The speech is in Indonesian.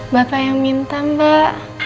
bapak yang minta mbak